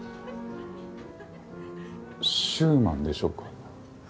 シューマンでしょうか？